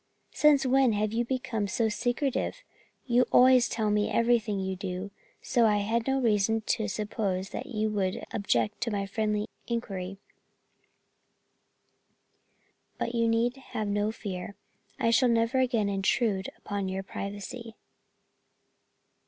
Since when have you become so secretive? You always tell me everything you do and so I had no reason to suppose that you would object to my friendly inquiry; but you need have no fear, I shall never again intrude upon your privacy.